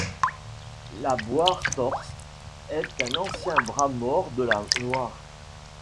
La boire Torse, est un ancien bras mort de la Loire.